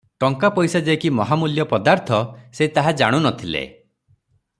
ଟଙ୍କା ପଇସା ଯେ କି ମହାମୂଲ୍ୟ ପଦାର୍ଥ, ସେ ତାହା ଜାଣୁ ନ ଥିଲେ ।